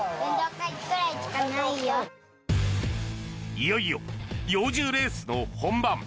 いよいよ幼獣レースの本番。